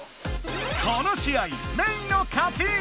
この試合メイの勝ち！